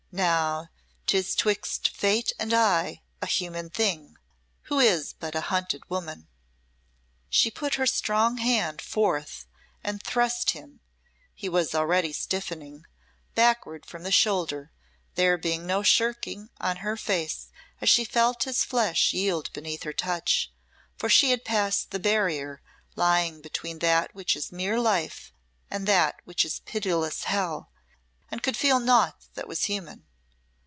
Now 'tis 'twixt Fate and I a human thing who is but a hunted woman." She put her strong hand forth and thrust him he was already stiffening backward from the shoulder, there being no shrinking on her face as she felt his flesh yield beneath her touch, for she had passed the barrier lying between that which is mere life and that which is pitiless hell, and could feel naught that was human.